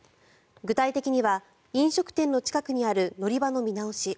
具体的には飲食店の近くにある乗り場の見直し